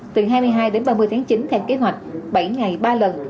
từ hai mươi hai đến ba mươi tháng chín theo kế hoạch bảy ngày ba lần